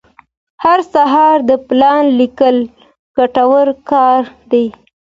هر سهار د پلان لیکل ګټور کار دی.